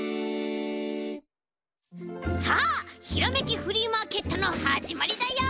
さあひらめきフリーマーケットのはじまりだよ！